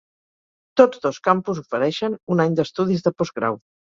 Tots dos campus ofereixen un any d'estudis de postgrau.